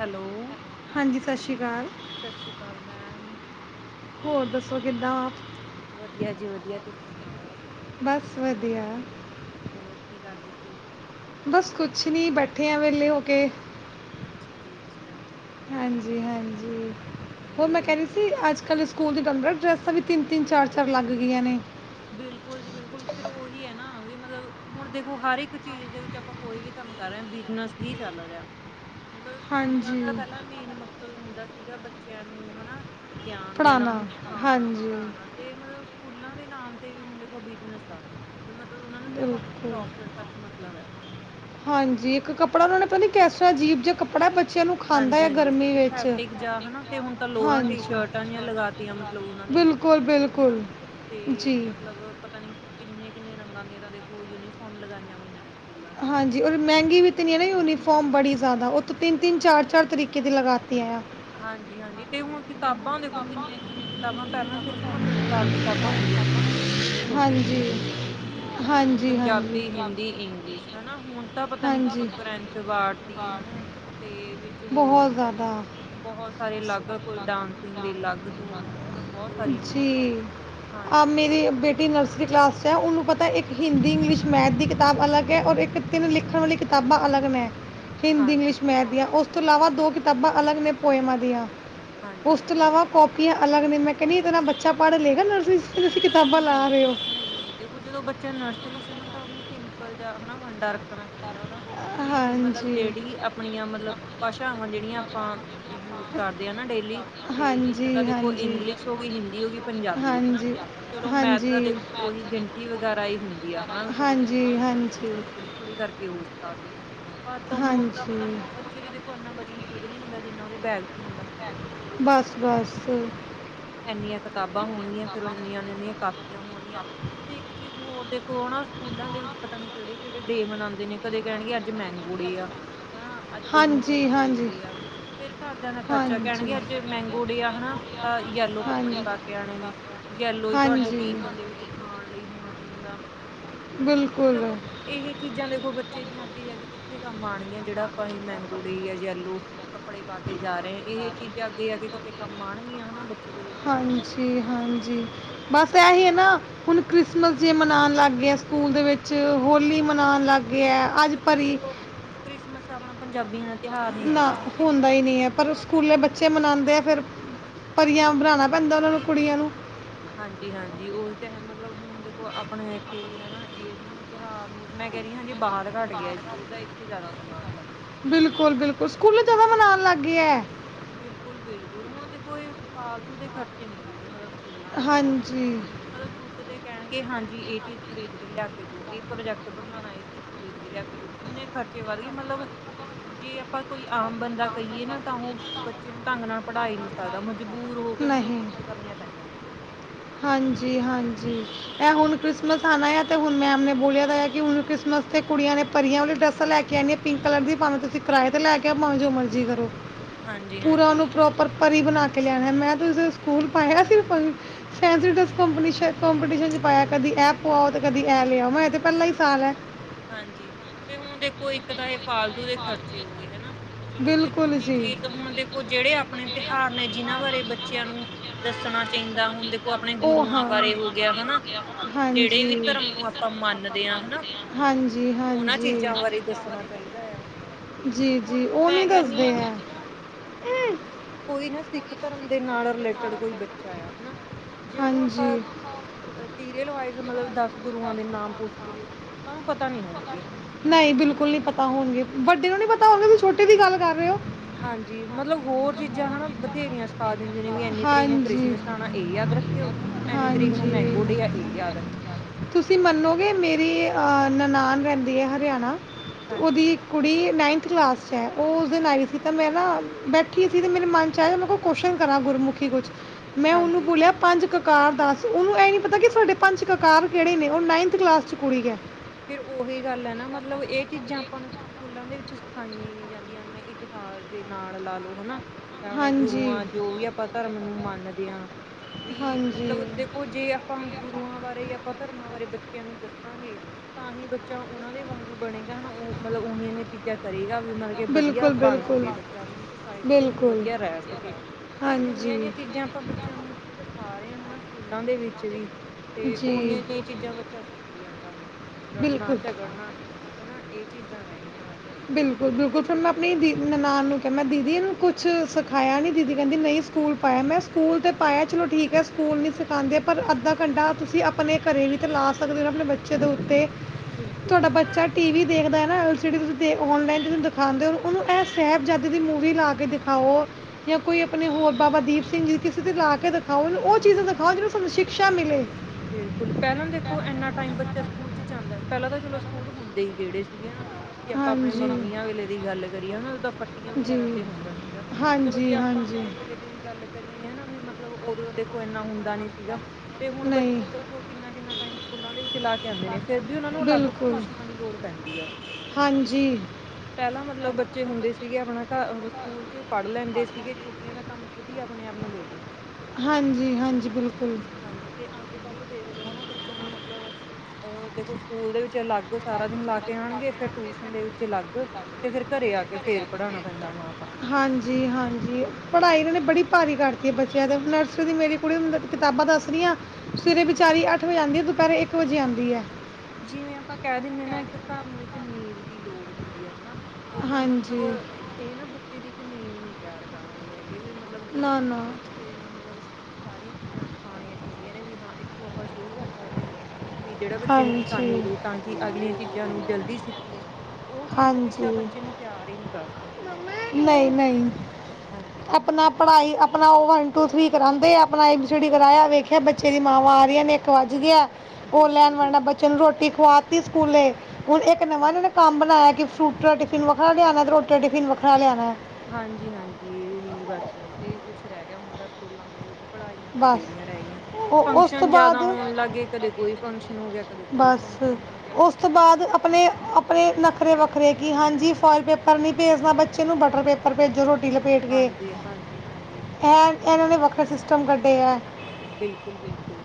Hello. ਹਾਂਜੀ ਸਤਿ ਸ਼੍ਰੀ ਅਕਾਲ। ਸਤਿ ਸ਼੍ਰੀ ਅਕਾਲ ਮੈਮ, ਹੋਰ ਦੱਸੋ ਕਿੱਦਾਂ ਵਾ ਵਧੀਆ ਜੀ ਵਧੀਆ ਤੁਸੀਂ ਸੁਣਾਓ ਬਸ ਵਦੀਆ। ਹੋਰ [inaudible] ਬਸ ਕੁਛ ਨੀ ਬੈਠੇ ਆ ਵਿਹਲੇ ਹੋ ਕੇ ਅੱਛਾ ਜੀ ਅੱਛਾ। ਜੀ ਹਾਂਜੀ। ਹੋਰ ਮੈਂ ਹਾਂਜੀ। ਕਹਿੰਦੀ ਸੀ ਅੱਜ ਕੱਲ ਸਕੂਲ ਡੰਰ ਡਰੈੱਸਾਂ ਵੀ ਤਿੰਨ ਤਿੰਨ ਚਾਰ ਚਾਰ ਲੱਗ ਗਈਆਂ ਨੇ। ਬਿਲਕੁਲ ਜੀ ਬਿਲਕੁਲ ਫੇਰ ਉਹੀ ਹੈ ਨਾ ਮਤਲਬ ਹੁਣ ਦੇਖੋ ਹਰ ਇੱਕ ਚੀਜ਼ ਦੇ ਵਿੱਚ ਆਪਾਂ ਕੋਈ ਵੀ ਕੰਮ ਕਰ ਰਹੇ ਹਾਂ ਬਿਜਨਸ ਹੀ ਚੱਲ ਰਿਹਾ ਮਤਲਬ ਸਕੂਲਾਂ ਹਾਂਜੀ ਦਾ ਪਹਿਲਾਂ ਮੇਨ ਮਕਸਬ ਹੁੰਦਾ ਸੀ ਸੀਗਾ ਬੱਚਿਆਂ ਨੂੰ ਹਨਾ ਗਿਆਨ ਦੇਣਾ ਉਹਨਾਂ ਨੂੰ ਪੜ੍ਹਾਉਣਾ ਸਿਖਾਉਣਾ ਹਾਂਜੀ ਪੜਾਣਾ ਤੇ ਮਤਲਬ ਸਕੂਲਾਂ ਦੇ ਨਾਮ ਤੇ ਵੀ ਹੁਣ ਦੇਖੋ ਬਿਜਨਸ ਆ ਮਤਲਬ ਉਹਨਾਂ ਨੂੰ ਸਿਰਫ ਆਪਣੇ ਬਿਲਕੁਲ ਪ੍ਰੋਫਿਟ ਤੱਕ ਮਤਲਬ ਹੈ ਹਾਂਜੀ ਇੱਕ ਕੱਪੜਾ ਉਹ ਨੇ ਪਤਾ ਨੀ ਕਿਸ ਤਰ੍ਹਾਂ ਜੀਬ ਜਾ ਕੱਪੜਾ ਬੱਚਿਆਂ ਨੂੰ ਖਾਂਦਾ ਹਾਂਜੀ ਆ ਹਾਂਜੀ ਗਰਮੀ ਵਿੱਚ ਸਥੈਟਿਕ ਜਾਂ ਹਨਾ ਤੇ ਹੁਣ ਤਾਂ ਲੋਰਾਂ ਟੀ ਹਾਂਜੀ ਸ਼ਰਟਾਂ ਜੀਆ ਲਗਾ ਤੀਆਂ ਮਤਲਬ ਉਹਨਾਂ ਨੇ ਬਿਲਕੁਲ ਹਨਾ ਬਿਲਕੁਲ ਤੇ ਜੀ ਮਤਲਬ ਪਤਾ ਨੀ ਕਿੰਨੇ ਕਿੰਨੇ ਰੰਗਾਂ ਦੀਆਂ ਤਾਂ ਦੇਖੋ ਯੂਨੀਫਾਰਮ ਲਗਾਈਆਂ ਹੋਈਆਂ ਨੇ ਸਕੂਲਾਂ ਨੇ ਹਾਂਜੀ ਔਰ ਮਹਿੰਗੀ ਵੀ ਤਾਂ ਇਤਨੀ ਆ ਨਾ ਯੂਨੀਫੋਮ ਬੜੀ ਜ਼ਿਆਦਾ ਉਤੋਂ ਤਿੰਨ ਤਿੰਨ ਚਾਰ ਚਾਰ ਤਰੀਕੇ ਦੀ ਲਗਾਤੀ ਆ ਹਾਂਜੀ ਹਾਂਜੀ ਤੇ ਹੁਣ ਕਿਤਾਬਾਂ ਦੇਖੋ ਕਿੰਨੀਆਂ ਕਿੰਨੀਆਂ ਕਿਤਾਬਾਂ ਪਹਿਲਾਂ ਸਿਰਫ ਮਤਲਬ ਚਾਰ ਕੀਤਾ ਕਿਤਾਬਾਂ ਹੁੰਦੀਆਂ ਸੀਗੀਆਂ। ਛੋਟੇ ਹੁੰਦੇ ਬੱਚਿਆਂ ਨੂੰ ਹਨਾ ਪੰਜਾਬੀ ਹਿੰਦੀ ਇੰਗਲਿਸ਼ ਹਨਾ ਹੁਣ ਤਾਂ ਪਤਾ ਨੀ ਕੀ ਫਰੈਂਚ ਵਾੜਤੀ ਹਨਾ ਤੇ ਵਿੱਚ ਹੋਰ ਪਤਾ ਨੀ ਬਹੁਤ ਸਾਰੇ ਅਲੱਗ ਕੋਈ ਡਾਂਸਿੰਗ ਦੀ ਅਲੱਗ ਤੋਂ ਮਤਲਬ ਬਹੁਤ ਸਾਰੀਆਂ ਚੀਜ਼ਾਂ ਜੀ ਆ ਹਾਂਜੀ, ਮੇਰੀ ਬੇਟੀ ਨਰਸਰੀ ਕਲਾਸ ਚ ਹੈ ਉਹਨੂੰ ਪਤਾ ਇੱਕ ਹਿੰਦੀ ਇੰਗਲਿਸ਼ ਮੈਥ ਦੀ ਕਿਤਾਬ ਅਲੱਗ ਹੈ ਔਰ ਇੱਕ ਤਿੰਨ ਲਿਖਣ ਵਾਲੀ ਕਿਤਾਬਾਂ ਅਲੱਗ ਨੇ ਹਿੰਦੀ ਹਾਂਜੀ, ਇੰਗਲਿਸ਼ ਮੈਥ ਦੀਆਂ ਉਸ ਇਸ ਤੋਂ ਇਲਾਵਾ ਦੋ ਕਿਤਾਬਾਂ ਅਲੱਗ ਨੇ ਪੋਇਮਾਂ ਦੀਆਂ ਹਾਂਜੀ, ਉਸ ਤੋਂ ਹਾਂਜੀ ਇਲਾਵਾ ਨਹੀਂ। ਕਾਪੀਆਂ ਅਲੱਗ ਨਹੀਂ ਮੈਂ ਕਹਿਣੀ ਆ ਇਤਨਾਂ ਬੱਚਾ ਪੜ੍ਹ ਲਏਗਾ ਨਰਸਰੀ ਤੁਸੀਂ ਕਿਤਾਬਾਂ ਲਾ ਨਹੀਂ ਰਹੇ ਹੋ ਨਹੀਂ ਨਹੀਂ ਦੇਖੋ ਜਦੋਂ ਬੱਚਾ ਨਰਸਰੀ ਚ ਨਾ ਤਾਂ ਉਹਨੂੰ ਸਿੰਪਲ ਜਾਂ ਹਨਾ ਫੰਡਾ ਰੱਖਣਾ ਚਾਹੀਦਾ ਉਹਦਾ ਵੀ ਮਤਲਬ ਹਾਂਜੀ ਜਿਹੜੀ ਆਪਣੀਆਂ ਮਤਲਬ ਭਾਸ਼ਾਵਾਂ ਜਿਹੜੀਆਂ ਆਪਾਂ ਯੂਜ ਕਰਦੇ ਹਾਂ ਨਾ ਡੇਲੀ ਤੇ ਇੱਕ ਹਾਂਜੀ ਤਾਂ ਦੇਖੋ ਹਾਂਜੀ ਇੰਗਲਿਸ਼ ਹੋ ਗਈ ਹਿੰਦੀ ਹੋ ਗਈ ਪੰਜਾਬੀ ਹਨਾ ਹਾਂਜੀ ਚਲੋ ਮੈਥ ਦਾ ਹਾਂਜੀ ਦੇਖੋ ਉਹੀ ਗਿਣਤੀ ਵਗੈਰਾ ਆ ਹਨਾ ਚਲੋ ਹਾਂਜੀ ਛੋਟੇ ਬੱਚਿਆਂ ਨੂੰ ਤਾਂ ਵੀ ਹਾਂਜੀ ਚਲੋ ਥੋੜੀ ਥੋੜੀ ਕਰਕੇ ਉਸ [unintelligible] ਪਰ ਤਾਂ ਹੁਣ ਤਾਂ ਪਤਾ ਹਾਂਜੀ ਨੀ ਬੱਚੇ ਚ ਦੇਖੋ ਇੰਨਾ ਵਜਨ ਖੁਦ ਨੀ ਹੁੰਦਾ ਜਿੰਨਾ ਉਹਦੇ ਬੈਗ ਹੁੰਦਾ। ਬਸ ਬਸ ਇੰਨੀਆਂ ਕਿਤਾਬਾਂ ਹੋਣਗੀਆਂ ਫਿਰ ਇਨੀਆਂ ਨੀਆਂ ਕਾਪੀਆਂ ਹੋਣਗੀਆਂ ਤੇ ਇੱਕ ਚੀਜ਼ ਹੋਰ ਦੇਖੋ ਹਨਾ ਸਕੂਲਾਂ ਦੇ ਵਿੱਚ ਪਤਾ ਨੀ ਕਿਹੜੇ ਕਿਹੜੇ ਡੇਅ ਮਨਾਉਂਦੇ ਨੇ ਕਦੇ ਕਹਿਣਗੇ ਅੱਜ ਮੈਂਗੋ ਡੇ ਆ ਹਨਾ ਅੱਜ ਮਤਲਬ ਹਾਂਜੀ ਕੋਈ ਹਾਂਜੀ ਡੇ ਆ ਫੇਰ ਘਰਦਿਆਂ ਦਾ ਖਰਚਾ ਹਾਂਜੀ ਕਹਿਣਗੇ ਅੱਜ ਮੈਂਗੋ ਡੇ ਆ ਹਨਾ ਤਾਂ ਯੈਲੋ ਹਾਂਜੀ ਕੱਪੜੇ ਪਾ ਕੇ ਆਣੇ ਨੇ ਯੈਲੋ ਹੀ ਤੁਹਾਡੇ ਹਾਂਜੀ ਟਿਫਂਨ ਦੇ ਵਿੱਚ ਖਾਣ ਲਈ ਹੋਣਾ ਚਾਹੀਦਾ ਵਾ। ਬਿਲਕੁਲ [unintelligible] ਮਤਲਬ ਇਹ ਚੀਜ਼ਾਂ ਦੇਖੋ ਬੱਚੇ ਦੀਆਂ ਅੱਗੇ ਜਾ ਕੇ ਕਿੱਥੇ ਕੰਮ ਆਉਣਗੀਆਂ ਜਿਹੜਾ ਆਪਾਂ ਅਸੀ ਮੈਂਗੋ ਡੇ ਜਾਂ ਯੈਲੋ ਕੱਪੜੇ ਪਾ ਕੇ ਜਾ ਰਹੇ ਹ ਇਹ ਚੀਜ਼ਾਂ ਅੱਗੇ ਆ ਕੇ ਕਿੱਥੇ ਕੰਮ ਆਉਣਂ ਗੀਆਂ ਹਨਾ ਬੱਚੇ ਦੇ ਜੇ ਸੋਚਿਆ ਜਾਵੇ ਹਾਂਜੀ ਹਾਂਜੀ ਬਸ ਐ ਹੀ ਹੈ ਨਾ। ਹੁਣ ਕ੍ਰਿਸਮਸ ਡੇਅ ਮਨਾਉਣ ਲੱਗ ਗਏ ਆ ਸਕੂਲ ਦੇ ਵਿੱਚ ਹੋਲੀ ਮਨਾਉਣ ਲੱਗ ਗਏ ਹੈ ਅੱਜ ਕ੍ਰਿਸਮਸ ਭਰੀ ਦੇਖੋ ਕ੍ਰਿਸਮਸ ਆਪਣਾ ਪੰਜਾਬੀਆਂ ਦਾ ਤਿਉਹਾਰ ਨੀ ਨਾ ਹੈਗਾ ਹੁਣ ਇਹ ਹੁੰਦਾ ਹੀ ਨਹੀਂ ਹੈ ਬਾਹਰਲਾ ਪਰ ਤਿਉਹਾਰ ਹੈ। ਸਕੂਲੇ ਬੱਚੇ ਮਨਾਉਂਦੇ ਆ ਫਿਰ ਪਰੀਆਂ ਬਣਾਉਣਾ ਪੈਂਦਾ ਉਹਨਾਂ ਨੂੰ ਕੁੜੀਆਂ ਨੂੰ ਹਾਂਜੀ ਹਾਂਜੀ ਉਹੀ ਤਾਂ ਮਤਲਬ ਹੁਣ ਦੇਖੋ ਆਪਣੇ ਇੱਥੇ ਵੀ ਹਨਾ ਇਹਨੂੰ ਤਿਉਹਾਰ ਨੂੰ ਮੈਂ ਕਹਿ ਰਹੀ ਹਾਂ ਜੀ ਲੱਗ ਗਏ। ਬਿਲਕੁਲ ਬਿਲਕੁਲ ਸਕੂਲੇ ਜਿਆਦਾ ਮਨਾਉਂਣ ਲੱਗ ਗਏ ਹੈ। ਫ਼ਾਲਤੂ ਦੇ ਖਰਚੇ ਨੇ ਜਿਹੜੇ ਮਤਲਬ ਸਕੂਲਾਂ ਨੇ ਕਰਵਾਉਂ ਹਾਂਜੀ ਮਤਲਬ ਸੁੱਟ ਦੇ ਕਹਿਣਗੇ ਹਾਂਜੀ ਇਹ ਚੀਜ਼ ਖਰੀਦ ਕੇ ਲਿਆ ਕੇ ਦੋ ਇਹ ਪ੍ਰੋਜੈਕਟ ਬਣਾਉਣਾਂ ਇਹ ਚੀਜ਼ ਖਰੀਦ ਕੇ ਲਿਆ ਕੇ ਦੋ ਕਿੰਨੇ ਖਰਚੇ ਵੱਧ ਗਏ ਮਤਲਬ ਜੇ ਆਪਾਂ ਕੋਈ ਆਮ ਬੰਦਾ ਕਹੀਏ ਨਾ ਤਾਂ ਉਹ ਬੱਚੇ ਨੂੰ ਢੰਗ ਨਾਲ ਪੜ੍ਹਾਈ ਨਹੀਂ ਕਰ ਸਕਦਾ ਮਜਬੂਰ ਹੋ ਕੇ ਉਹਨੂੰ ਇਹ ਨਹੀਂ ਚੀਜ਼ਾਂ ਕਰਨੀਆਂ ਪੈਂਦੀਆਂ। ਹਾਂਜੀ ਹਾਂਜੀ। ਇਹ ਨੇ। ਹੁਣ ਕ੍ਰਿਸਮਿਸ ਆਉਣਾ ਆ ਤੇ ਹੁਣ ਮੈਮ ਨੇ ਬੋਲਿਆ ਤਾਂ ਕਿ ਹੁਣ ਕ੍ਰਿਸਮਸ 'ਤੇ ਕੁੜੀਆਂ ਨੇ ਪਰੀਆਂ ਵਾਲੀਆਂ ਡਰੈੱਸਾਂ ਲੈ ਕੇ ਆਈਆਂ ਪਿੰਕ ਕਲਰ ਦੀ ਪਾਵੇ ਤੁਸੀਂ ਕਿਰਾਏ 'ਤੇ ਲੈ ਕੇ ਆਓ ਜੋ ਮਰਜ਼ੀ ਕਰੋ। ਹਾਂਜੀ ਪੂਰਾ ਹਾਂਜੀ ਉਹਨੂੰ ਪ੍ਰੋਪਰ ਪਰੀ ਬਣਾ ਕੇ ਕੇ ਲਿਆਣਾ ਮੈਂ ਤੁਸੀ ਸਕੂਲ ਪਾਇਆ ਸੀ। ਕੰਪਨੀ ਚ ਪਾਇਆ ਕਦੀ ਇਹ ਪਾਓ ਕਦੀ ਇਹ ਲਿਆਉ। ਹਾਂਜੀ ਹਾਂਜੀ। ਤੇ ਹੁਣ ਦੇਖੋ। ਇੱਕ ਤਾਂ ਇਹ ਫਾਲਤੂ ਦੇ ਖਰਚੇ ਹੋ ਗਏ ਹਨਾ। ਚਲੋ ਤੇ ਬਿਲਕੁਲ ਦੂਜੀ ਜੀ। ਚੀਜ਼ ਹੁਣ ਦ ਦੇਖੋ ਜਿਹੜੇ ਆਪਣੇ ਤਿਉਹਾਰ ਨੇ ਜਿਹਨਾਂ ਬਾਰੇ ਬੱਚਿਆਂ ਨੂੰ ਦੱਸਣਾ ਚਾਹੀਦਾ ਹੁਣ ਦੇਖੋ ਆਪਣੇ ਉਹ ਜਿਵੇਂ ਗੁਰੂਆਂ ਹਾਂ। ਬਾਰੇ ਹੋ ਗਿਆ ਹਨਾ ਜਿਹੜੇ ਹਾਂਜੀ। ਵੀ ਧਰਮ ਨੂੰ ਆਪਾਂ ਮੰਨ ਦੇ ਹਨਾ ਹਾਂਜੀ, ਉਹਨਾਂ ਹਾਂਜੀ। ਚੀਜ਼ਾਂ ਬਾਰੇ ਦੱਸਣਾ ਚਾਹੀਦਾ ਹੈ। ਦੱਸੋ। ਜੀ, ਜੀ ਉਹ ਨੀ ਦੱਸਦੇ ਹੈ। [unintelligible] ਕੋਈ ਨਾ ਸਿੱਖ ਧਰਮ ਦੇ ਨਾਲ ਰਿਲੇਟਿਡ ਕੋਈ ਬੱਚਾ ਆ ਹਨਾ ਜੇ ਉਹਨੂੰ ਹਾਂਜੀ। ਆਪਾਂ ਉਹ ਸੀਰਲ ਵਾਈਜ। ਤੇ ਮਤਲਬ ਦੱਸ। ਪਤਾ ਨੀ ਹੋਣਗੇ ਨਹੀਂ ਬਿਲਕੁਲ ਨਹੀਂ ਪਤਾ ਹੋਣਗੇ ਬਟ ਤੈਨੂੰ ਨਹੀਂ ਪਤਾ ਉਹਨਾਂ ਦੇ ਛੋਟੀ ਦੀ ਗੱਲ ਕਰ ਰਹੇ ਹੋ ਹਾਂਜੀ ਮਤਲਬ ਹਾਂਜੀ ਹੋਰ ਚੀਜ਼ਾਂ ਹਨਾ ਬਥੇਰੀਆਂ। ਸਿਖਾ ਦਿੰਦੇ ਬਥੇਰੀਆਂ ਨੇ ਵੀ ਸਾਰੀਆਂ ਚੀਜ਼ਾਂ ਇੰਨੀ ਤਰੀਕ ਨੂੰ ਹਾਂਜੀ। ਕ੍ਰਿਸਮਿਸ ਆਣਾ ਇਹ ਯਾਦ ਦੱਸਣੀਆਂ ਚਾਹੀਦੀਆਂ ਰੱਖਿਓ ਆਪਾਂ ਨੂੰ। ਇੰਨੀ ਤਰੀਕ ਨੂੰ ਮੈਂਗੋ ਹਾਂਜੀ। ਡੇ ਆ ਇਹ ਯਾਦ ਰੱਖਿਓ। ਤੁਸੀਂ ਮੰਨੋਗੇ ਮੇਰੀ ਅ, ਨਨਾਣ ਰਹਿੰਦੀ ਹੈ ਹਰਿਆਣਾ। ਹਾਂਜੀ ਉਹਦੀ ਕੁੜੀ ਨਾਈਨਥ ਕਲਾਸ। 'ਚ ਹੈ ਉਹ ਉਸ ਦਿਨ ਆਈ ਸੀ ਤਾਂ ਮੈਂ ਨਾ ਬੈਠੀ ਸੀ ਤੇ ਮੇਰੇ ਮਨ ਚ ਆਇਆ ਮੈਂ ਕਿਹਾ? ਕਰਾ ਗੁਰਮੁਖੀ ਕੁਛ? ਮੈਂ ਹਾਂਜੀ ਉਹਨੂੰ ਬੋਲਿਆ ਪੰਜ ਕ? ਕਕਾਰ ਦੱਸ ਉਹਨੂੰ ਇਹ ਨੀ ਪਤਾ ਸਾਡੇ ਪੰਚ ਕਕਾਰ ਕਿਹੜੇ ਨੇ ਉਹ ਨਨਥ ਕਲਾਸ ਚ ਕੁੜੀ ਹੈ? ਫੇਰ ਉਹੀ ਗੱਲ ਹੈ ਨਾ ਮਤਲਬ ਇਹ ਚੀਜ਼ਾਂ ਆਪਾਂ ਨੂੰ ਸਕੂਲਾਂ ਦੇ ਵਿੱਚ ਸਿਖਾਈਆਂ ਹੀ ਨਹੀਂ ਜਾਂਦੀਆਂ ਆਪਣੇ ਇਤਿਹਾਸ ਦੇ ਨਾਲ ਲਾ ਲਓ ਹਨਾ। ਆਪਣੇ ਹਾਂਜੀ ਗੁਰੂਆਂ ਜੋ ਵੀ ਆਪਾਂ ਧਰਮ ਨੂੰ ਮੰਨਦੇ ਹਾਂ ਵੀ ਹਾਂਜੀ ਮਤਲਬ ਦੇਖੋ ਜੇ ਆਪਾਂ ਗੁਰੂਆਂ ਬਾਰੇ? ਆਪਾਂ ਧਰਮਾਂ ਬਾਰੇ ਬੱਚਿਆਂ ਨੂੰ ਦੱਸਾਂਗੇ? ਤਾਂ ਹੀ ਬੱਚੇ। ਬੱਚਾ ਉਹਨਾਂ ਦੇ ਵਾਂਗੂ ਬਣੇਗਾ ਹਨਾ ਉਹ ਮਤਲਬ ਉਹੀ ਜਿਹੀਆਂ ਚੀਜ਼ਾਂ ਕਰੇਗਾ ਵੀ ਮਤਲਬ ਕਿ ਵਧੀਆ ਬਿਲਕੁਲ ਬਣ ਬਿਲਕੁਲ ਸਕੇ ਬੱਚਾ ਆਪਣੀ ਸੁਸਾਇਟੀ ਦੇ ਵਿੱਚ ਬਿਲਕੁਲ ਵਧੀਆ ਰਹਿ ਸਕੇ ਹੁਣ ਹਾਂਜੀ ਅਜਿਹੀਆਂ ਜਿਹੀਆਂ ਚੀਜ਼ਾਂ ਆਪਾਂ ਬੱਚਿਆਂ ਨੂੰ ਸਿਖਾ ਰਹੇ ਹਾਂ ਹਨਾ? ਸਕੂਲਾਂ ਦੇ ਵਿੱਚ ਵੀ? ਤੇ ਜੀ ਉਹੀਆਂ ਜਿਹੀਆਂ ਚੀਜ਼ਾਂ ਬੱਚਾ। [unintelligible] ਲੜਨਾ- ਬਿਲਕੁਲ ਝਗੜਨਾ। ਹਨਾ ਇਹ ਚੀਜ਼ਾਂ ਰਹਿ ਗਈਆਂ ਬਸ। ਬਿਲਕੁਲ-ਬਿਲਕੁਲ ਫਿਰ ਕਿਸੇ ਮੈਂ ਤੋਂ ਆਪਣੀ ਦੀ ਨਨਾਾਨ ਨੂੰ ਕ ਕਿਹਾ ਮੈਂ ਦੀਦੀ ਇਨੂੰ ਕੁਛ ਸਿਖਾਇਆ ਨਹੀਂ ਦੀਦੀ ਕਹਿੰਦੀ ਨਹੀਂ ਸਕੂਲ ਪਾਇਆ ਮੈਂ ਸਕੂਲ ਤੇ ਪਾਇਆ ਚਲੋ ਠੀਕ ਹੈ ਸਕੂਲ ਨ ਨਹੀਂ ਸਿਖਾਉਂਦੇ ਪਰ ਅੱਧਾ ਘੰਟਾ ਤੁਸੀਂ ਆਪਣੇ ਘਰੇ ਵੀ ਤਾਂ ਲਾਸਟ ਸਕਦੇ ਆਪਣੇ ਬੱਚੇ ਦੇ ਉੱਤੇ ਬਿਲਕੁਲ ਤੁਹਾਡਾ ਬੱਚਾ ਟੀ ਵੀ ਦੇਖਦਾ ਏ ਨਾ ਗਲ ਸੀ ਡੀ ਤੁਸੀਂ ਅਤੇ ਔਨਲਾਈਨ ਤੁਹਾਨੂੰ ਦਿਖਾਉਂਦੇ ਹੋ ਉਹਨੂੰ ਇਹ ਸਾਹਿਬਜ਼ਾਦੇ ਦੀ ਮੂਵੀ ਲਾ ਕੇ ਦਿਖਾਓ ਜਾਂ ਕੋਈ ਆਪਣੇ ਹੋਰ ਬਾਬਾ ਦੀਪ ਸਿੰਘ ਜੀ ਦੀ ਕਿਸੇ 'ਤੇ ਲਾ ਕੇ ਦਿਖਾਓ ਉਹਨੂੰ ਉਹ ਚੀਜ਼ਾਂ ਦਿਖਾਓ ਜਿਹਨੂੰ ਸਾਨੂੰ ਸ਼ਿਕਸ਼ਾ ਮਿਲੇ। ਬਿਲਕੁਲ ਪਹਿਲਾਂ ਦੇਖੋ ਇੰਨਾ ਟਾਈਮ ਬੱਚਾ ਸਕੂਲ ਚ ਜਾਂਦਾ ਪਹਿਲਾਂ ਤਾਂ ਚਲੋ ਸਕੂਲ ਹੁੰਦੇ ਹੀ ਕਿਹੜੇ ਸੀਗੇ। ਜੇ ਆਪਾਂ ਆਪਣੇ ਹਾਂਜੀ ਮੰਮੀਆਂ ਵੇਲੇ ਦੀ ਗੱਲ ਕਰੀਏ ਹਨਾ ਉਹ ਤਾਂ ਫੱਟੀਆਂ ਵਗੈਰਾ ਜੀ ਤੇ ਹੁੰਦਾ ਸੀਗਾ ਚਲੋ ਜੇ ਹਾਂਜੀ, ਆਪਾਂ ਹਾਂਜੀ ਆਪਣੇ ਵੇਲੇ ਦੀ ਵੀ ਗੱਲ ਕਰੀਏ ਹਨਾ। ਵੀ ਮਤਲਬ ਉਦੋਂ ਦਾ ਦੇਖੋ ਇੰਨਾ ਹੁੰਦਾ। ਨੀ ਸੀਗਾ ਤੇ ਹੁਣ ਨਹੀਂ ਬੱਚੇ ਤ ਕਿੰਨਾ ਕਿੰਨਾ ਟਾਈਮ ਸਕੂਲਾਂ ਦੇ ਵਿੱਚ ਲਾ ਕੇ ਆਦੇ ਨੇ ਫੇਿਰ ਵੀ ਉਹਨਾਂ ਨੂੰ ਅਲੱਗ ਤੋਂ ਬਿਲਕੁਲ ਟਿਊਸ਼ਨਾਂ ਦੀ ਲੋੜ ਪੈਂਦੀ ਆ ਹਾਂਜੀ ਪਹਿਲਾਂ ਮਤਲਬ ਬੱਚੇ ਹੁੰਦੇ ਸੀਗੇ ਆਪਣਾ ਸਕੂਲ ਪੜ੍ਹ ਲੈਂਦੇ ਸੀਗੇ ਛੋਟੀਆਂ ਦਾ ਕੰਮ ਖੁਦ ਹੀ ਓਹਨੇ ਆਪਣੀਆਂ ਬੇੜਿਆ ਹਾਂਜੀ ਹਾਂਜੀ ਬਿਲਕੁਲ ਚੱਲ ਦੇਖਲੋ ਹਨਾ ਬੱਚਿਆਂ ਨੂੰ ਮਤਲਬ ਅਹ ਦੇਖੋ ਸਕੂਲ ਦੇ ਅਲੱਗ ਸਾਰਾ ਦਿਨ ਲਾ ਕੇ ਆਉਣਗੇ ਫਿਰ ਟਿਊਸ਼ਨ ਦੇ ਵਿੱਚ ਅਲੱਗ ਤੇ ਫੇਰ ਘਰੇ ਆ ਕੇ ਫੇਰ ਪੜ੍ਹਾਉਣਾ ਪੈਂਦਾ ਮਾਂ ਬਾਪ ਨੂੰ। ਹਾਂਜੀ ਹਾਂਜੀ ਪੜ੍ਹਾਈ ਇਹਨਾਂ ਨੇ ਬੜੀ ਭਾਰੀ ਕਰਤੀ ਬੱਚਿਆਂ ਤੇ ਨਰਸਰੀ ਦੀ ਮੇਰੀ ਕੁੜੀ ਕਿਤਾਬਾਂ ਦੱਸ ਸਵੇਰੇ ਵਿਚਾਰੀ ਹੱਟ ਅੱਠ ਵਜੇ ਆਉਦੀ ਦੁਪਹਿਰੇ ਇੱਕ ਵਜੇ ਆਉਂਦੀ ਹੈ। ਜਿਵੇਂ ਆਪਾਂ ਕਹਿ ਦਿੰਦੇ ਹਾਂ ਨਾ ਇੱਕ ਘਰ ਨੂੰ ਇੱਕ ਨੀਂਵ ਦੀ ਲੋੜ ਹੁੰਦੀ ਆ ਹਨਾ। ਓਦਾਂ ਹਾਂਜੀ ਮਤਲਬ ਇਹ ਨਾ ਬੱਚੇ ਦੀ ਇੱਕ ਨੀਂਵ ਨਹੀਂ ਤਿਆਰ ਕਰਦੇ ਹੈਗੇ। ਵੀ ਮਤਲਬ ਨਾ ਜਿੱਥੋਂ ਨਾ ਬੱਚੇ ਨੂੰ ਮਤਲਬ ਸਾਰੀਆਂ ਚੀਜ਼ਾਂ ਸਿਖਾਉਣੀਆਂ ਚਾਹੀਦੀਆਂ ਨੇ ਵੀ ਹਾਂ ਇੱਥੋਂ ਆਪਾਂ ਸ਼ੁਰੂ ਕਰ ਸਕਦੇ ਹਾਂ ਵੀਓ ਨੂੰ ਆਸਾਨੀ ਹਾਂਜੀ ਰਹੇ ਤਾਂ ਕਿ ਅਗਲੀਆਂ ਚੀਜ਼ਾਂ ਨੂੰ ਜਲਦੀ ਸਿੱਖ ਲਏ ਉਹ ਚੀਜ਼ ਲਈ ਹਾਂਜੀ ਤਾਂ ਬੱਚੇ ਨੂੰ ਤਿਆਰ ਹੀ ਨ ਕਰ। [unintelligible] ਨਹੀਂ ਨਹੀਂ ਹਾਂਜੀ ਹਾਂਜੀ ਆਪਣਾ ਪੜ੍ਹਾਈ ਆਪਣਾ ਉਹ ਵਨ ਟੂ ਥ੍ਰਰੀ ਕਰਾਦੇ ਆਪਣਾ ਕਰਵਾਆ ਵੇਖਿਆ ਬੱਚੇ ਦੀ ਮਾਵਾਂ ਆ ਰਹੀਆਂ ਨੇ ਇੱਕ ਵੱਜ ਗਿਆ ਉਹ ਲੈਣ ਬਿਲਕੁਲ ਵਾਲਰਾ ਬਿਲਕੁਲ ਬੱਚੇ ਨੂੰ ਰੋਟੀ ਖਵਾ ਤ ਸਕ ਸਕੂਲੇ ਹੁਣ ਇੱਕ ਹਾਂ ਨਵਾਂ ਨਿਵ ਕੰਮ ਬਣਾਇਆ ਕਿ ਟਿਫਨ ਵੱਖਰਾ ਲਿਆਉ ਤੇ ਟਿਫਿਨ ਵੱਖਰਾ ਜਾਣਾ ਹੈ। ਹਾਂਜੀ-ਹਾਂਜੀ ਇਹੀ ਬਸ ਚ ਅਬ, ਇਹੀ ਕੁਛ ਰਹਿ ਗਿਆ ਹੁਣ ਤਾਂ ਸਕੂਲਾਂ ਦੇ ਵਿੱਚ। ਪੜ੍ਹਾਈਆਂ ਤਾ ਬਸ ਕਿਹੜੀਆਂ ਰਹਿ ਗਈਆਂ, ਉਹ ਉਸ ਤੋਂ ਫੰਕਸ਼ਨ ਬਾਅਦ ਜਿਆਦਾ ਹੋਣ ਲੱਗ ਗਏ, ਕਦੇ ਕੋਈ ਫੰਕਸ਼ਨ ਹੋ ਗਿਆ, ਕਦੇ ਕੋਈ ਬਸ ਫੰਕਸ਼ਨ ਹੋ ਗਿਆ। ਉਸ ਤੋਂ ਖਰੇ, ਕਿ ਹਾਂਜੀ ਫੋਇਲ ਪੇਪਰ ਨੀ ਭੇਜਨਾ ਬੱਚੇ ਨੂੰ, ਬਟਰ ਪੇਪਰ ਭੇਜੋ ਰੋਟ ਹਾਂਜੀ-ਹਾਂਜੀ-ਹਾਂਜੀ। ਇਹ ਇਹਨਾਂ ਨੇ ਵੱਖਰਾ ਸਿਸ ਸਟਮ ਕੱਢਿਆ ਐ। ਬਿਲਕੁਲ-ਬਿਲਕੁਲ।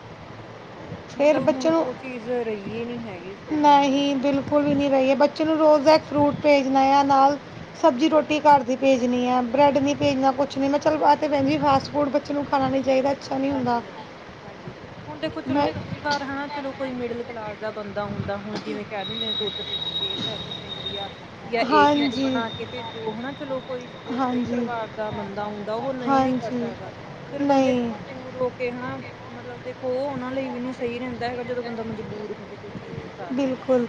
ਫੇਰ ਮਤਲਬ ਹੁਣ ਬੱਚੇ ਨੂੰ, ਉਹ ਚੀਜ਼ ਰਹੀ ਏ ਨਹੀਂ ਹੈਗੀ [inaudible] ਸਕੂਲਾਂ ਦੇ ਨਹੀਂ ਵਿੱਚ ਬਿਲਕੁਲ ਵੀ ਨੀ ਰਹੀ ਏ, ਬੱਚੇ ਨੂੰ ਰੋਜ਼ ਦਾ ਇਕ ਫਰੂਟ ਭੇਜਣਾ ਆ, ਨਾਲ ਸਬਜ਼ੀ ਰੋਟੀ ਘਰ ਦੀ ਭੇਜਣੀ ਹੈ, ਬ੍ਰੈਡ ਨੀ ਭੇਜਨਾ ਕੁਛ ਨੀ, ਮੈਂ ਚੱਲ ਆਹ ਤੇ ਭੈਨ ਜੀ ਫਾਸਟ ਫੂਡ ਬੱਚੇ ਨੂੰ ਖਾਣਾ ਨਹੀਂ ਚਾਹੀਦਾ। ਅੱਛਾ ਨਹੀਂ ਹੁੰਦਾ ਹਾਂਜੀ-ਹਾਂਜੀ-ਹਾਂਜੀ, ਹੁਣ ਤੇ ਕੁਛ ਮੈਂ ਲੋਕ ਕਈ ਵਾਰ ਹਾਂ ਚਲੋ ਕੋਈ ਮਿਡਿਲ ਕਲਾ ਲਾਸ ਦਾ ਬੰਦਾ ਹੁੰਦਾ, ਹੁਣ ਜਿਵੇਂ ਕਹਿ ਦਿੰਦੇ ਆਂ [unintelligible] ਤੇ ਵੀ ਇਹ ਡਰੈਸ ਪੈਂਦੀ ਆ। ਜਾ ਇਹ ਚੀਜ਼ ਹਾਂਜੀ ਬਣਾ ਕੇ ਭੇਜੋ, ਹਨਾ ਚਲੋ ਕੋਈ ਸਹੀ ਹਾਂਜੀ ਪਰਿਵਾਰ ਦਾ ਬੰਦਾ ਹੁੰਦਾ, ਉਹ ਹਾਂਜੀ ਨਹੀਂ ਵੀ ਕਰ ਹਾਂਜੀ ਸਕਦਾ, ਫੇਰ ਬੰਦੇ ਨਹੀਂ [unintelligible] ਤੇ ਹਨਾ ਮਤਲਬ ਦੇਖੋ ਓਹ ਉਹਨਾਂ ਲਈ ਵੀ ਨੀ ਸਹੀ ਰਹਿੰਦਾ ਹੈਗਾ, ਜਦੋ ਬੰਦਾ ਮਜਬੂਰ ਹੋਵੇ। ਕੋਈ ਚੀਜ਼ ਨੂੰ ਕਰ ਰਿਹਾ, ਬਿਲਕੁਲ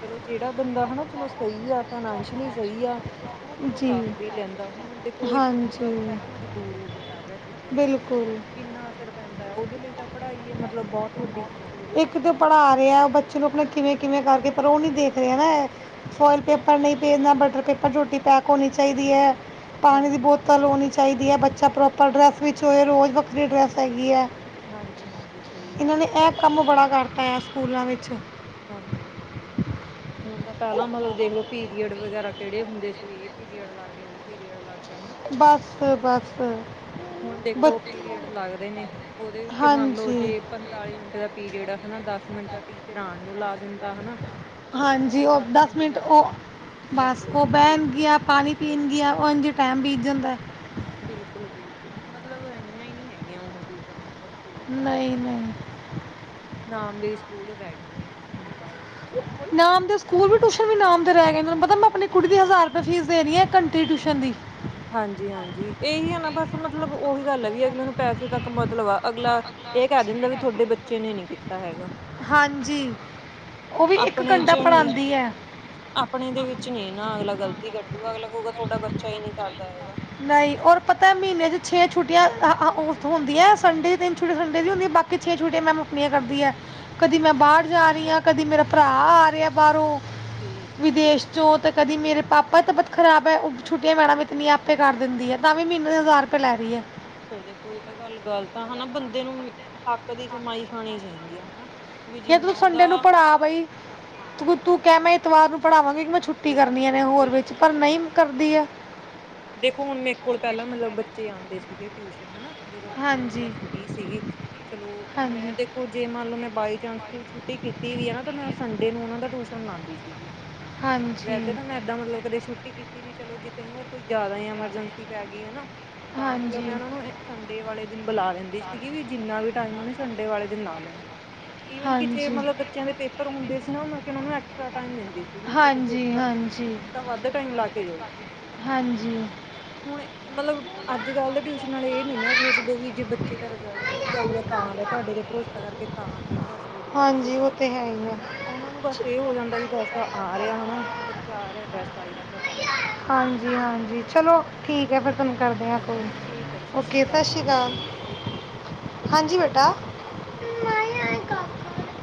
ਚਲੋ ਜਿਹੜਾ ਬੰਦਾ ਹਣਾ ਚਲੋ ਸਹੀ ਆ। ਫਾਈਨੇਸ਼ਿਅਲੀ ਸਹੀ ਆ, ਹਨਾ ਚਲੋ ਜੀ ਕਰ ਵੀ ਲੈਂਦਾ, ਹੁਣ ਦੇਖੋ ਇੱਕ ਬੰਦਾ ਹੈਗਾ ਮਜਬੂਰ ਹੋ ਕੇ ਕਰ ਰਿਹਾ ਏ। ਬਿਲਕੁ ਕਿੰਨਾ ਅਸਰ ਰ ਪੈਂਦਾ ਏ, ਉਹਦੇ ਲਈ ਤਾ ਪੜ੍ਹਾਈ ਹੀ ਮਤਲਬ ਬਹੁਤ ਵੱਡੀ ਚੀਜ਼ ਹੋ ਗਈ ਇੱਕ ਬੱਚੇ ਤੇ ਨੂੰ ਪੜ੍ਹਾ ਰਿਹਾ ਬੱਚੇ ਨੂੰ ਆਪਨੇ ਕਿਵੇਂ-ਕਿਵੇਂ ਕਰਕੇ। ਪਰ ਉਹ ਨੀ ਦੇਖਦੇ ਨਾ, ਫੋਇਲ ਪੇਪਰ ਨਹੀਂ ਭੇਜਣਾ ਬਟਰ ਪੇਪਰ ਰੋਟੀ ਪੈਕ ਹੋਣੀ ਚਾਹੀਦੀ ਹੈ। ਪਾਣੀ ਦੀ ਹਾਂਜੀ ਬੋਤਲ ਹੋਣੀ ਚਾਹੀਦੀ ਹੈ, ਬੱਚਾ ਪ੍ਰੋਪਰ ਡਰੈੱਸ ਵਿੱਚ ਹੋਏ, ਰੋਜ਼ ਵੱਖਰੀ ਡਰੈੱਸ ਹੈਗੀ ਆ। ਹਾਂਜੀ-ਹਾਂਜੀ ਸਹੀ ਗੱਲ ਏ। ਏਦਾਂ ਕਰਤਾ ਆ ਸਕੂਲਾਂ ਵਿੱਚ। ਹਾਂਜੀ-ਹਾਂਜੀ, ਹੁਣ ਤਾਂ ਪਹਿਲਾਂ ਮਤਲਬ ਦੇਖ ਲਓ ਪੀਰੀਅਡ ਵਗੈਰਾ ਕਿਹੜੇ ਹੁੰਦੇ ਸੀ, ਇਹ ਪੀਰੀਅਡ ਅਲੱਗ ਏ, ਉਹ ਪੀਰੀਅਡ ਅਲੱਗ। ਬਸ-ਬਸ। ਹੁਣ ਦੇਖੋ ਪੀਰੀਅਡ ਲੱਗਦੇ ਨੇ, ਉਹਦੇ ਵਿੱਚ ਮੰਨ ਲਓ ਹਾਂਜੀ ਜੇ ਪੰਤਾਲੀ ਮਿੰਟ ਦਾ ਪੀਰੀਅਡ ਆ। ਹਨਾ, ਦਸ ਮਿੰਟ ਤਾਂ ਟੀਚਰਾਂ ਆਣ ਨੂੰ ਲਾ ਦਿੰ ਹਾਂਜੀ ਉਹ ਦਸ ਮਿੰਟ ਜਾਂਦੇ ਉਹ ਹੋਏ ਬਸ ਜਾਂਦੇ ਹੋਏ ਉਹ ਵੇਸਟ ਕਰ ਬਹਿਣਗੀਆਂ ਪਾਣੀ ਪੀਣਗੀਆਂ ਓਹ ਇੰਝ ਟਾਈਮ ਬੀਤ ਜਾਂਦਾ ਬਿਲਕੁਲ ਬਿਲਕੁਲ ਮਤਲਬ ਰਹੀਆਂ ਹੀ ਨਹੀਂ ਹੈਗੀਆਂ ਉਹ ਚੀਜ਼ਾਂ। ਸਕੂਲਾਂ ਦੇ ਨਹੀਂ ਵਿੱਚ ਨਹੀਂ ਨਾਮ ਦੇ ਸਕੂਲ ਰਹਿ ਗਏ ਨੇ ਹੁਣ ਤਾਂ। ਨਾਮ ਦੇ ਸਕੂਲ ਵੀ ਟਿਊਸ਼ਨ ਵੀ ਨਾਮ ਦੇ ਰਹਿ ਗਏ ਪਤਾ ਮੈਂ ਆਪਣੀ ਕੁੜੀ ਦੀ ਹਜ਼ਾਰ ਰੁਪਏ ਫੀਸ ਦੇ ਰਹੀ ਆ ਇੱਕ ਘੰਟੇ ਦੇ ਟਿਊਸ਼ਨ ਦੀ। ਹਾਂਜੀ ਹਾਂਜੀ ਇਹੀ ਹੈ ਨਾ ਬਸ ਮਤਲਬ ਉਹੀ ਗੱਲ ਹੈ ਵੀ ਅਗਲੇ ਨੂੰ ਪੈਸੇ ਤੱਕ ਮਤਲਬ ਅਗਲਾ ਇਹ ਕਹਿ ਦਿੰਦਾ ਵੀ ਤੁਹਾਡੇ ਬੱਚੇ ਨੇ ਨੀ ਕੀਤਾ ਹੈਗਾ। ਹਾਂਜੀ ਉਹ ਵੀ ਆਪਣੇ ਘੰਟਾ ਚੋ ਨਹੀਂ ਪੜ੍ਹਾਉਂਦੀ ਹੈ ਆਪਣੇ ਦੇ ਵਿੱਚ ਨਹੀਂ ਨਾ ਅਗਲਾ ਗ਼ਲਤੀ ਕੱਢ ਗਾ ਅਗਲਾ ਕਹੂੰਗਾ ਤੁਹਾਡਾ ਬੱਚਾ ਹੀ ਨੀ ਕਰ ਨਹੀਂ ਔਰ ਪਤਾ ਮਹੀਨੇ ਚ ਛੇ ਛੁੱਟੀਆਂ ਆ ਆ ਹੁੰਦੀਆਂ ਸੰਡੇ ਦੇ ਦਿਨ ਛੁੱਟੀ ਸੰਡੇ ਦੀ ਹੁੰਦੀ ਬਾਕੀ ਛੇ ਛੁੱਟੀਆਂ ਮੈਂਮ ਆਪਣੀਆਂ ਕਰਦੀ ਐ ਕਦੀ ਮੈਂ ਬਾਹਰ ਜਾ ਰਹੀ ਹਾਂ ਕਦੀ ਮੇਰਾ ਭਰਾ ਆ ਰਿਹਾ ਬਾਹਰੋਂ ਠੀਕ ਹੈ ਠੀਕ ਵਿਦੇਸ਼ ਹੈ ਚੋਂ ਤੇ ਕਦੀ ਮੇਰੇ ਪਾਪਾ ਤਬਅਤ ਖ਼ਰਾਬ ਹੈ ਉਹ ਛੁਟਟੀ ਮੈਡਮ ਇਤਨੀ ਆਪ ਕਰ ਦਿੰਦੀ ਹੈ ਤਾਂ ਵੀ ਮਹੀਨੇ ਦੇ ਹਜ਼ਾਰ ਰੁਪਏ ਲੈ ਰਹੀ ਹੈ। ਫਿਰ ਦੇਖੋ ਇਹ ਤਾਂ ਗੱਲ ਗੱਲ਼ਤ ਨਾ ਹਨਾ ਬੰਦੇ ਨੂੰ ਹੱਕ ਦੀ ਕਮਾਈ ਖਾਣੀ ਚਾਹੀਦੀ ਹੈ ਹਨਾ। ਵੀ ਜੇ ਤੂੰ ਜਿੰਨਾ ਉਹਦਾ ਸੰਡੇ ਨੂੰ ਪੜ੍ਹਾ ਬਈ ਹਾਂ ਤੂੰ ਤੂੰ ਕਹਿ ਮੈਂ ਤਵਾਰ ਨੂੰ ਪੜਾਵਾਂਗੀ। ਮੈਂ ਛੁੱਟੀ ਬਿਲਕੁਲ ਕਰਨੀ ਆ ਨੇ ਹੋਰ ਵਿੱਚ ਬਿਲਕੁਲ ਪਰ ਨਹੀਂ ਬਿਲਕੁਲ ਕਰਦੀ ਹੈ। ਦੇਖੋ ਹੁਣ ਮੇਰੇ ਕੋਲ ਪਹਿਲਾਂ ਮਤਲਬ ਬੱਚੇ ਆਉਂਦੇ ਸੀਗੇ ਟਿਊਸ਼ਨ ਹੈਨਾ। ਜਦੋਂ ਮਤ ਮੈਂ ਹਾਂਜੀ ਫੱਰੀ ਸੀਗੀ ਚਲੋ ਮੈਂ ਹਾਂਜੀ ਦੇਖੋ ਜੇ ਮੰਨ ਲਓ ਮੈਂ ਬਾਈ ਚਾਂਸ ਕੋਈ ਛੁੱਟੀ ਕੀਤੀ ਵੀ ਹੈ ਨਾ ਤਾਂ ਮੈਂ ਸੰਡੇ ਨੂੰ ਉਹ ਦਾ ਟਿਊਸ਼ਨ ਲਾਉਂਦੀ ਸੀਗੀ। ਹਾਂਜੀ ਵੈਸੇ ਤਾਂ ਮੈਂ ਇਦਾਂ ਮਤਲਬ ਕਦੇ ਛੁੱਟੀ ਕੀਤੀ। ਨੀ ਚਲੋ ਜੀ ਕਈ ਵਾਰ ਕੋਈ ਜ਼ਿਆਦਾ ਹੀ ਐਮਰਜੈਂਸੀ ਪੈ ਗਈ ਹੈਨਾ। ਹਾਂਜੀ ਤਾਂ ਮਤਲਬ ਮੈਂ ਹਾਂਜੀ ਉਹਨਾਂ ਨੂੰ ਸੰਡੇ ਵਾਲੇ ਦਿਨ ਬੁਲਾ ਲੈਂਦੀ ਸੀਗੀ ਵੀ ਜਿੰਨਾ ਵੀ ਟਾਈਮ ਉਹਨੇ ਸੰਡੇ ਵਾਲੇ ਦਿਨ ਲਾ ਲੈਣਾ। ਈਵਨ ਕਿ ਜੇ ਹਾਂਜੀ ਮਤਲਬ ਬੱਚਿਆਂ ਦੇ ਪੇਪਰ ਹੁੰਦੇ ਸੀ ਨਾ ਉਹਨਾ ਨੂੰ ਐਕਸਟਰਾ ਟਮ ਦਿੰਦੇ ਸੀਗੀ ਵੀ ਤੁਹਾਡੇ ਪੇਪਰ ਨੇ ਹਾਂਜੀ ਤਾਂ ਵੱਧ ਟਾਈਮ ਲਾ ਕੇ ਜਾਓ। ਹਾਂਜੀ ਹੁਣ ਮਤਲਬ ਅੱਜ ਕੱਲ ਦੇ ਟਿਊਸ਼ਨ ਵਾਲੇ ਇਹ ਨੀ ਨਾ ਸੋਚਦੇ ਵੀ ਜੇ ਬਚ ਚੇ ਦਾ ਰਿਜ਼ਲਟ ਵਧੀਆ ਆਊਗਾ ਤਾਂ ਲ ਤੁਹਾਡੇ ਤੇ ਭਰੋਸਾ ਕਰਕੇ ਤਾਂ ਆ ਕੇ ਤੁਹਾਡੇ ਕੋਲ ਦੁਬਾਰਾ ਹਾਂਜੀ ਉਹ ਭੇਜੂਗਾ ਤੇ ਹੈ ਹੀ ਆ ਉਹਨਾਂ ਨੂੰ ਬਸ ਇਹ ਹੋ ਜਾਂਦਾ ਵੀ ਪੈਸਾ ਆ ਰਿਹਾ ਹਨਾ ਬ ਚਾਰ ਹੈ ਪੈਸਾ ਆਈ ਜਾਂਦਾ। ਚਲੋ ਠੀਕ ਹੈ। ਹਾਂਜੀ-ਹਾਂਜੀ। ਚਲੋ, ਠੀਕ ਹੈ ਫਿਰ ਤੁਹਾਨੂੰ ਕਰਦੇ ਹਾਂ ਹਾਂਜੀ ਕਾਲ, ਠੀਕ ਹੈ ਜੀ ਓਕੇ ਸਤਿ ਸ਼੍ਰੀ ਅਕਾਲ, ਓਕੇ ਹਾਂਜੀ ਬੇਟਾ [unintelligible]